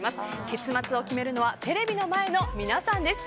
結末を決めるのはテレビの前の皆さんです。